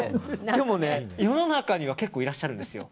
でも世の中には結構いらっしゃるんですよ。